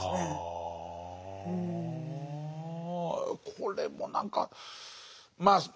これも何かまあ